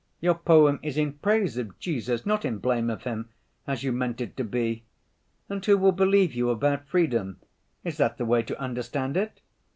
"Your poem is in praise of Jesus, not in blame of Him—as you meant it to be. And who will believe you about freedom? Is that the way to understand it?